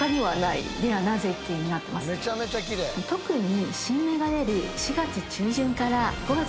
特に。